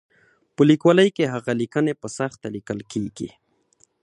په لیکوالۍ کې هغه لیکنې په سخته لیکل کېږي.